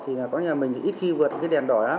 thì có nghĩa là mình ít khi vượt cái đèn đỏ